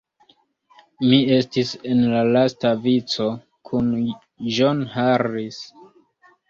Mi estis en la lasta vico, kun John Harris.